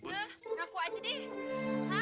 ya aku aja dih